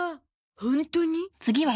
ホントに？